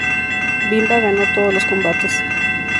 Bimba ganó todos los combates.